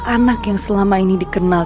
anak yang selama ini dikenal